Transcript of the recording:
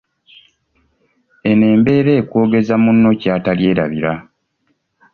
Eno embeera ekwogeza munno ky’atalyerabira.